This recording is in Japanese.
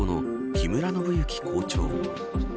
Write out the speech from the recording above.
木村信之校長。